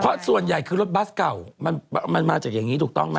เพราะส่วนใหญ่คือรถบัสเก่ามันมาจากอย่างนี้ถูกต้องไหม